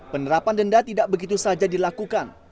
penerapan denda tidak begitu saja dilakukan